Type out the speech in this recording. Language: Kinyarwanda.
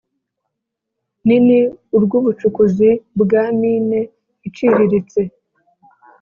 Nini urw ubucukuzi bwa mine iciriritse